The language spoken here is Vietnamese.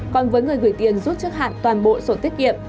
còn với người gửi tiền rút trước hạn toàn bộ sổ tiết kiệm